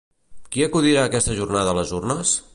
Qui acudirà aquesta jornada a les urnes?